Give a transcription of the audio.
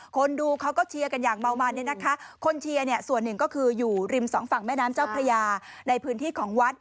คนดูก็เชียร์กันอย่างเหมามัน